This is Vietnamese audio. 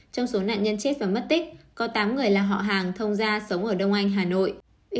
trong số nạn nhân chết và mất tích có tám người là họ hàng thông gia sống ở đông anh hà nội